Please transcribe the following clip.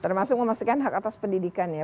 termasuk memastikan hak atas pendidikan ya